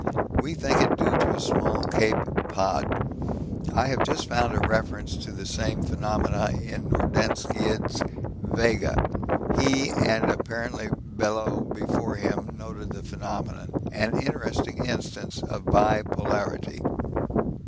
We think it due to a small cope pod. I have just found a reference to the same phenomena in Nordenskiöld's 'Vega.' He, and apparently Bellot before him, noted the phenomenon. An interesting instance of bi polarity.